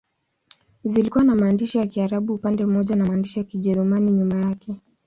Zilikuwa na maandishi ya Kiarabu upande mmoja na maandishi ya Kijerumani nyuma yake.